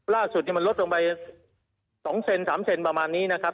ล่าสุดมันลดลงไป๒เซน๓เซนประมาณนี้นะครับ